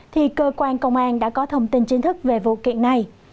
thì cơ quan công an đã có thông tin chính thức về vụ kiện này